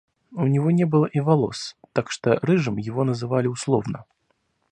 У него не было и волос, так что рыжим его называли условно.